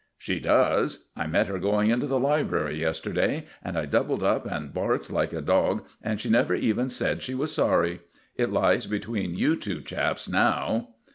"She does. I met her going into the library yesterday, and I doubled up and barked like a dog, and she never even said she was sorry. It lies between you two chaps now."